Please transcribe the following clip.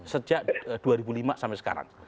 sejak dua ribu lima sampai sekarang